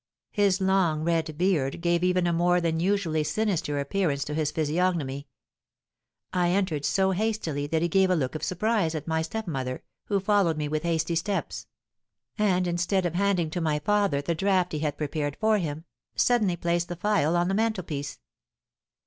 His long red beard gave even a more than usually sinister appearance to his physiognomy. I entered so hastily that he gave a look of surprise at my stepmother, who followed me with hasty steps; and instead of handing to my father the draught he had prepared for him, he suddenly placed the phial on the mantelpiece.